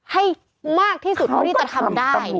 ให้มากที่สุดเท่าที่จะทำได้